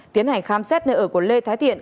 tiến hành khám xét nơi ở của lê thái thiện